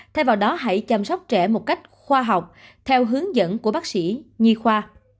thay vào đó hãy chăm sóc trẻ một cách khoa học theo hướng dẫn của bác sĩ nhi khoa